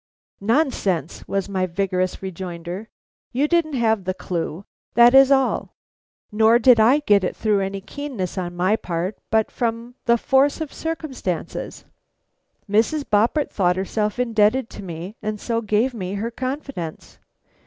"Nonsense!" was my vigorous rejoinder. "You didn't have the clue, that is all. Nor did I get it through any keenness on my part, but from the force of circumstances. Mrs. Boppert thought herself indebted to me, and so gave me her confidence.